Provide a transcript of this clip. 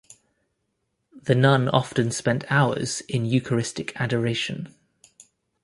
The nun often spent hours in Eucharistic Adoration.